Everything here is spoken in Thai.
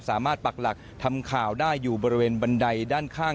ปักหลักทำข่าวได้อยู่บริเวณบันไดด้านข้าง